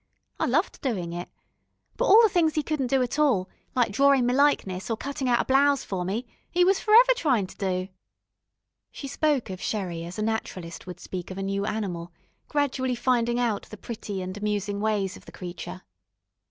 I loved doin' it. But all the things 'e couldn't do at all, like drawin' me likeness, or cuttin' out a blouse for me, 'e was forever tryin' to do." She spoke of Sherrie as a naturalist would speak of a new animal, gradually finding out the pretty and amusing ways of the creature.